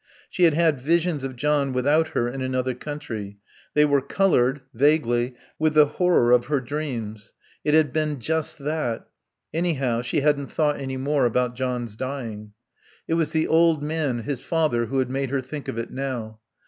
She had had visions of John without her in another country; they were coloured, vaguely, with the horror of her dreams. It had been just that. Anyhow, she hadn't thought any more about John's dying. It was the old man, his father, who had made her think of it now.